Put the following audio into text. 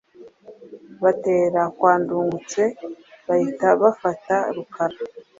batera kwa Ndungutse bahita bafata Rukara,